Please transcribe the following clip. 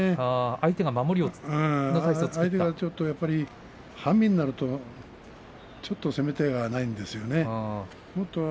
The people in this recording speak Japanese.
相手が半身になるとちょっと攻め手がないんですよね。